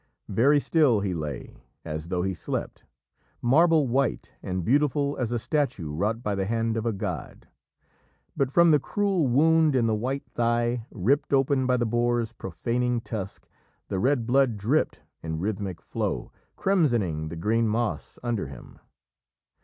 Very still he lay, as though he slept; marble white, and beautiful as a statue wrought by the hand of a god. But from the cruel wound in the white thigh, ripped open by the boar's profaning tusk, the red blood dripped, in rhythmic flow, crimsoning the green moss under him.